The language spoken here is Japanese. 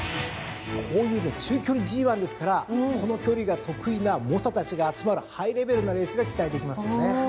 こういうね中距離ＧⅠですからこの距離が得意な猛者たちが集まるハイレベルなレースが期待できますよね。